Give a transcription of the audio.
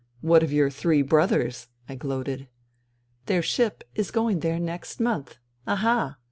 " What of your ' three brothers '?" I gloated. " Their ship is going there next month. Aha